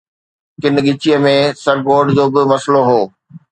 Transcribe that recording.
ڪن ڳچيءَ ۾ سرڪوڊ جو به مسئلو هو.